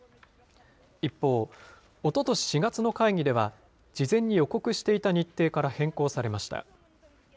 一方、おととし４月の会議では、事前に予告していた日程から変更されました。